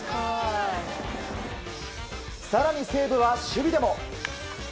更に、西武は守備でも。